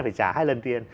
phải trả hai lần tiền